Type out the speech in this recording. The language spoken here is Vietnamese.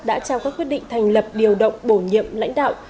đã trao các quyết định thành lập điều động bổ nhiệm lãnh đạo